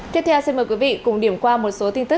tiếp theo xin mời quý vị cùng điểm qua một số tin tức